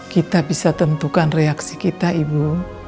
kita bisa tentukan reaksi kita ibu